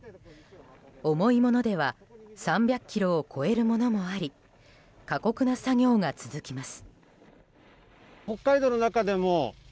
重いものでは３００ｋｇを超えるものもあり過酷な作業が続きます。